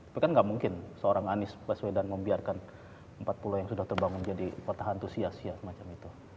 tapi kan nggak mungkin seorang anies baswedan membiarkan empat pulau yang sudah terbangun jadi kota hantu sia sia semacam itu